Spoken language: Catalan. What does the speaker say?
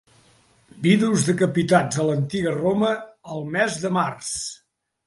Vidus decapitats a l'antiga Roma el mes de març.